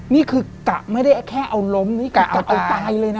นี่คือกะไม่ได้แค่เอาล้มนี่กะจะเอาตายเลยนะ